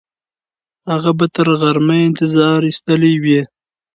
هغه به تر غرمه انتظار ایستلی وي.